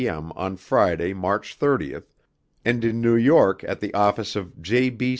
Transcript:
M. on Friday, March 30, and in New York at the office of J. B.